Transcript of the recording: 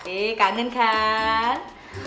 eh kangen kan